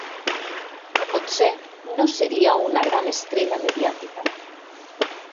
Potser no seria una gran estrella mediàtica.